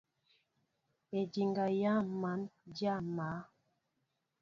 Ediŋga yááŋ măn dya maá.